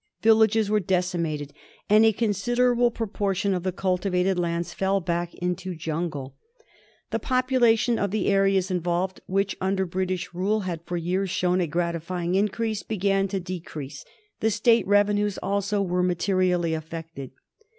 Villages were decimated, and a considerable proportion of the cultivated lands fell back into jungle. The popu lation of the areas involved, which under British rule had 136 KALA AZAR. for years shown a gratifying increase, began to decrease. The State revenues also were materially affected.